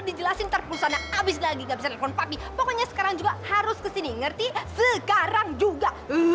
ntar aku jelasin ntar pulang sana abis lagi gak bisa telepon papi pokoknya sekarang juga harus kesini ngerti sekarang juga